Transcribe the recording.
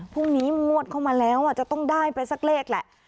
งวดเข้ามาแล้วจะต้องได้ไปสักเลขแหละ